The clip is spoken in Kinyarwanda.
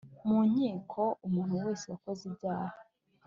Mu nkiko umuntu wese wakoze ibyaha